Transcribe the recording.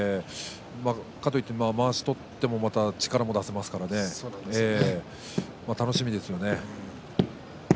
かといって、まわし取ってもまた力を出せますしね楽しみですね。